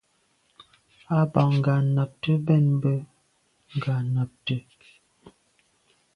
A ba nganabte mbèn mbe ngabàgte.